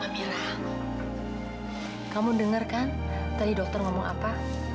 abilah kamu dengar kan tadi dokter ngomong apa